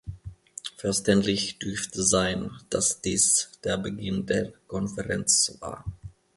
Verständlich dürfte sein, dass dies der Beginn der Konferenz war.